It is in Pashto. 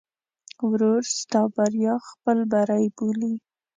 ورور ستا بریا خپل بری بولي.